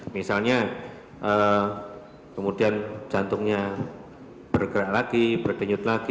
misalnya kemudian jantungnya bergerak lagi berkenyut lagi